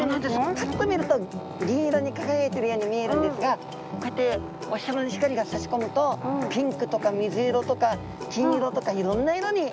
パッと見ると銀色に輝いているように見えるんですがこうやってお日さまの光がさし込むとピンクとか水色とか金色とかいろんな色に。